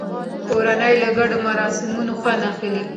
کورنۍ له ګډو مراسمو خوند اخلي